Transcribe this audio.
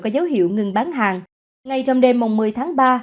có dấu hiệu ngừng bán hàng ngay trong đêm một mươi tháng ba